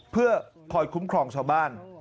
เพื่อคอยคุ้มครองชาวบ้าน